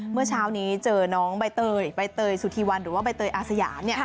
เมื่อเช้านี้เจอน้องใบเตยใบเตยสุธีวันหรือว่าใบเตยอาสยาม